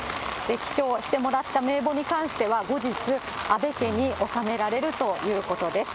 記帳してもらった名簿に関しては、後日、安倍家に納められるということです。